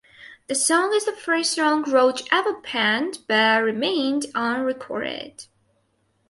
The song is the first song Roach ever penned but remained unrecorded.